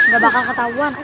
gak bakal ketahuan